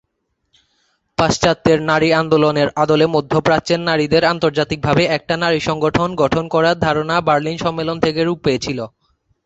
পাশ্চাত্যের নারী আন্দোলনের আদলে মধ্যপ্রাচ্যের নারীদের আন্তর্জাতিকভাবে একটা নারী সংগঠন গঠন করার ধারণা বার্লিন সম্মেলন থেকে রূপ পেয়েছিল।